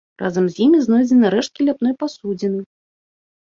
Разам з імі знойдзены рэшткі ляпной пасудзіны.